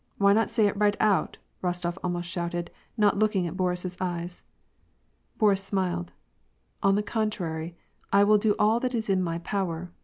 Why not say it right out !" Rostof almost shouted, not looking at Boris's eyes. Boris smiled :" On the contrary, I will do all that is in my power.